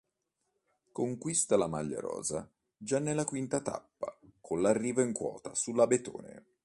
Conquista la maglia rosa già nella quinta tappa, con arrivo in quota sull'Abetone.